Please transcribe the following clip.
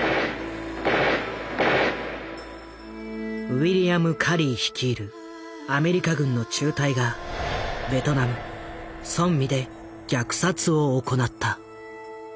ウィリアム・カリー率いるアメリカ軍の中隊がベトナムソンミで虐殺を行った。